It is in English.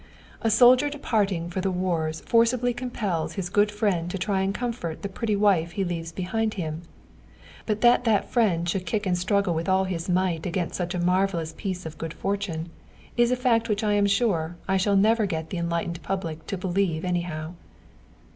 A soldier departing for the wars forcibly compels his good friend to try and comfort the pretty wife he leaves behind him. But that that friend should kick and struggle with all his might against such a marvellous piece of good fortune is a fact which I am sure I shall never get the enlightened public to believe anyhow.